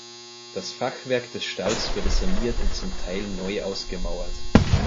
Das Fachwerk des Stalls wurde saniert und zum Teil neu ausgemauert.